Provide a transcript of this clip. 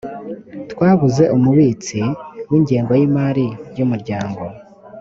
twabuze umubitsi w’ ingengo y’ imari y’umuryango